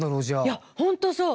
いやホントそう。